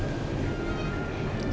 masa yang terbaik